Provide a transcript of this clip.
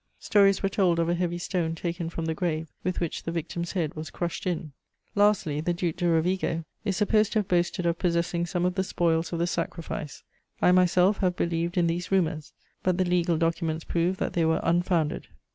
Stories were told of a heavy stone taken from the grave with which the victim's head was crushed in. Lastly, the Duc de Rovigo is supposed to have boasted of possessing some of the spoils of the sacrifice; I myself have believed in these rumours; but the legal documents prove that they were unfounded.